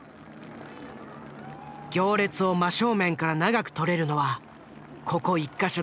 行列を真正面から長く撮れるのはここ１か所だけ。